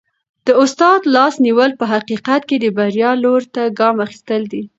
د استاد لاس نیول په حقیقت کي د بریا لوري ته ګام اخیستل دي.